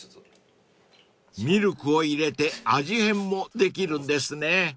［ミルクを入れて味変もできるんですね］